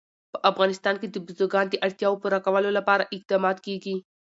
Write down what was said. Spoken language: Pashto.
په افغانستان کې د بزګان د اړتیاوو پوره کولو لپاره اقدامات کېږي.